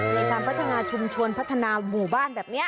ในการพัฒนาชุมชนพัฒนาหมู่บ้านแบบนี้